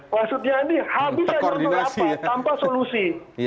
maksudnya ini habis ada apa tanpa solusi